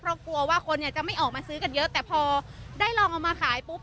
เพราะกลัวว่าคนเนี่ยจะไม่ออกมาซื้อกันเยอะแต่พอได้ลองเอามาขายปุ๊บ